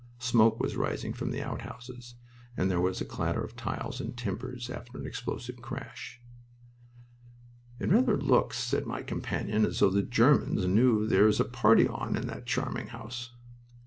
Smoke was rising from the outhouses, and there was a clatter of tiles and timbers, after an explosive crash. "It rather looks," said my companion, "as though the Germans knew there is a party on in that charming house."